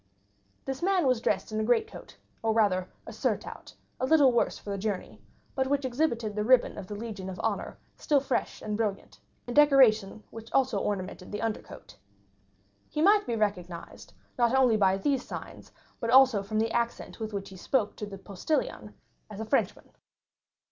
This man was dressed in a greatcoat, or rather a surtout, a little worse for the journey, but which exhibited the ribbon of the Legion of Honor still fresh and brilliant, a decoration which also ornamented the under coat. He might be recognized, not only by these signs, but also from the accent with which he spoke to the postilion, as a Frenchman.